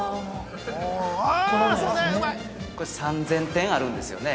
◆３０００点あるんですよね？